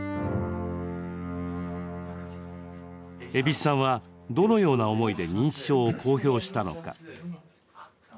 蛭子さんは、どのような思いで認知症を公表したのか。